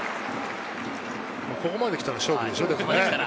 ここまで来たら勝負でしょ。